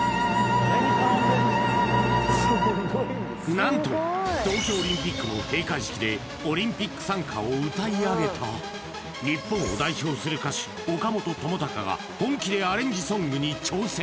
何と東京オリンピックの閉会式でオリンピック賛歌を歌い上げた日本を代表する歌手岡本知高が本気でアレンジソングに挑戦